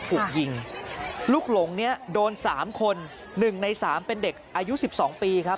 ถูกยิงลูกหลงเนี่ยโดน๓คน๑ใน๓เป็นเด็กอายุ๑๒ปีครับ